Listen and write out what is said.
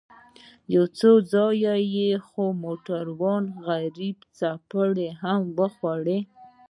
يو څو ځايه خو موټروان غريب څپېړې هم وخوړې.